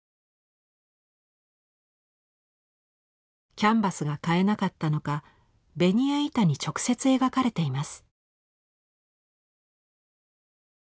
キャンバスが買えなかったのかベニヤ板に直接描かれています。